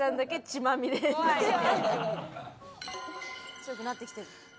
強くなってきてる。